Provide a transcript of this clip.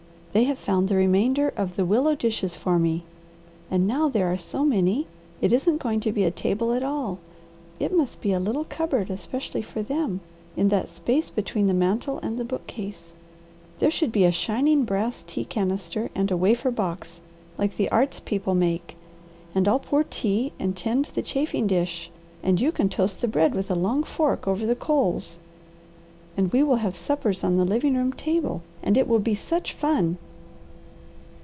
They have found the remainder of the willow dishes for me, and now there are so many it isn't going to be a table at all. It must be a little cupboard especially for them, in that space between the mantel and the bookcase. There should be a shining brass tea canister, and a wafer box like the arts people make, and I'll pour tea and tend the chafing dish and you can toast the bread with a long fork over the coals, and we will have suppers on the living room table, and it will be such fun."